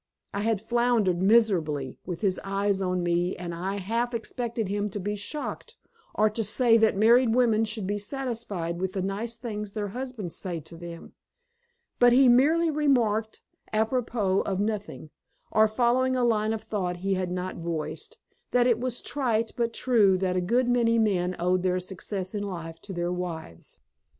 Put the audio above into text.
I had floundered miserably, with his eyes on me, and I half expected him to be shocked, or to say that married women should be satisfied with the nice things their husbands say to them. But he merely remarked apropos of nothing, or following a line of thought he had not voiced, that it was trite but true that a good many men owed their success in life to their wives.